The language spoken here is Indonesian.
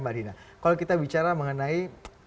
mbak dina kalau kita bicara mengenai